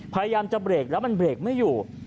พยายามจะเบรกแล้วมันเบรกไม่อยู่